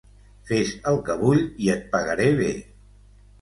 Fes el que vull, i et pagaré bé.